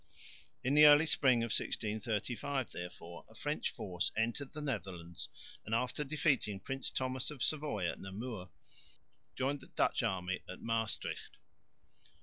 In the early spring of 1635, therefore, a French force entered the Netherlands and, after defeating Prince Thomas of Savoy at Namur, joined the Dutch army at Maestricht.